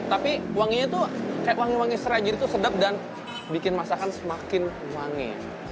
tapi wanginya tuh kayak wangi wangi serai jadi tuh sedap dan bikin masakan semakin wangi